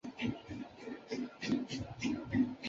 先秦史专家。